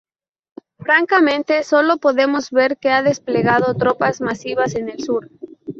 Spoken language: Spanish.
Francamente, solo podemos ver que ha desplegado tropas masivas en el sur.